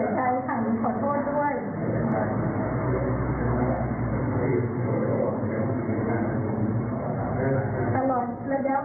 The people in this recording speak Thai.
รับเวลา๑๙หรือไม่เคยมีความสุขเลยถ้าคิดถึงเรื่องวิทยาลัยหนูก็ร้องไห้ตลอด